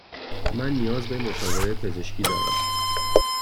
من نیاز به مشاوره پزشکی دارم.